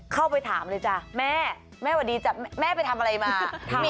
เข้าไปถามเลยจ้ะแม่แม่วันนี้แม่ไปทำอะไรมา